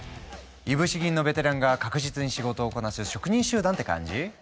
いぶし銀のベテランが確実に仕事をこなす職人集団って感じ？